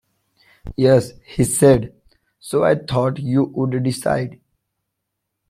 "Yes," he said; "so I thought you would decide."